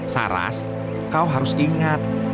saras kau harus ingat